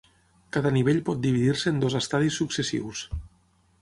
Cada nivell pot dividir-se en dos estadis successius.